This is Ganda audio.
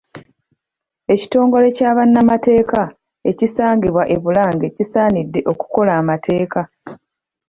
Ekitongole kya bannamateeka, ekisangibwa e Bulange kisaanidde okukola amateeka.